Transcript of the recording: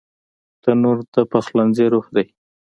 تنور د پخلنځي روح دی